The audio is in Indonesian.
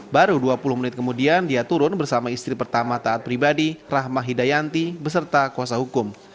baru dua puluh menit kemudian dia turun bersama istri pertama taat pribadi rahma hidayanti beserta kuasa hukum